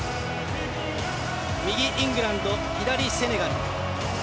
右、イングランド左、セネガル。